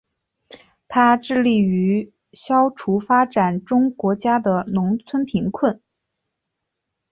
它致力于消除发展中国家的农村贫困。